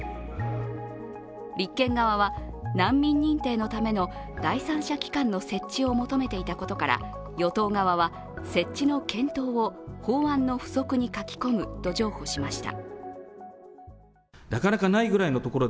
立憲側は、難民認定のための第三者機関の設置を求めていたことから与党側は、設置の検討を法案の附則に書き込むと譲歩しました。